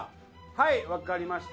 はい分かりました